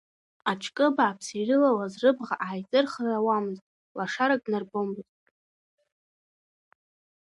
Аҿкы-бааԥс ирылалаз рыбӷа ааиҵырхын ауамызт, лашарак днарбомызт.